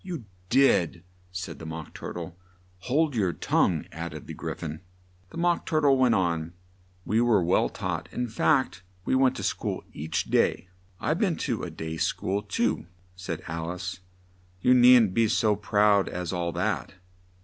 "You did," said the Mock Tur tle. "Hold your tongue," add ed the Gry phon. The Mock Tur tle went on: "We were well taught in fact we went to school each day " "I've been to a day school too," said Alice; "you needn't be so proud as all that."